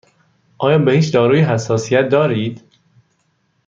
آیا به هیچ دارویی حساسیت دارید؟